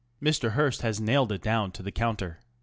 Mr. Hearst has nailed it down to the counter.